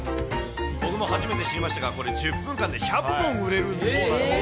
僕も初めて知りましたが、これ、１０分間で１００本売れるそうなんですね。